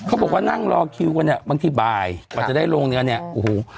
เขาบอกว่านั่งรอคิววันเนี้ยบางทีบ่ายค่ะว่าจะได้ลงเนี้ยเนี้ยอูหู